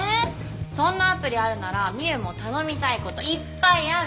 そんなアプリあるならミユも頼みたいこといっぱいある！